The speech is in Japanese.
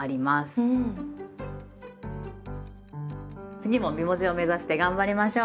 次も美文字を目指して頑張りましょう！